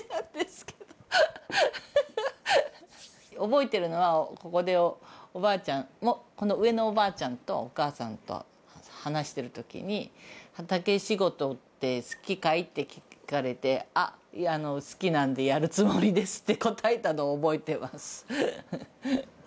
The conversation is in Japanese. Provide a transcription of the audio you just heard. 覚えてるのはここでおばあちゃんこの上のおばあちゃんとお義母さんと話してるときに「畑仕事って好きかい？」って聞かれて「好きなんでやるつもりです」って答えたのを覚えてます。